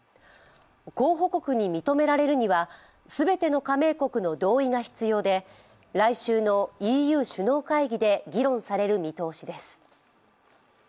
候補国に認められるには、全ての加盟国の同意が必要で、来週のＥＵ首脳会議で議論される見通しです。